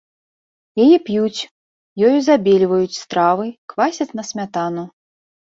Яе п'юць, ёю забельваюць стравы, квасяць на смятану.